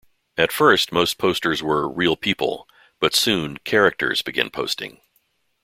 At first, most posters were "real people", but soon "characters" began posting.